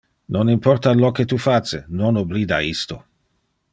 Non importa lo que tu face, non oblida isto.